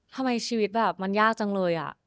ทำไมชีวิตแบบมันยากจังเลยอะ